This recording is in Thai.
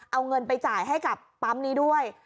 เอาเงินไปจ่ายให้กับปั๊มนี้ด้วย